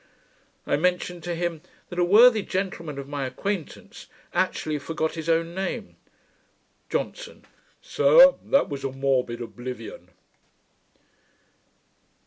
I mentioned to him, that a worthy gentleman of my acquaintance actually forgot his own name. JOHNSON. 'Sir. that was a morbid oblivion.'